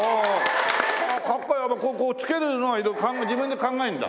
やっぱこうつけるのは色々自分で考えるんだ。